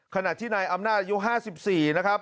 ขณะที่นายอำนาจอายุ๕๔นะครับ